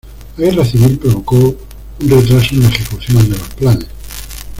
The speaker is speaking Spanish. La Guerra Civil provocó un retraso en la ejecución de los planes.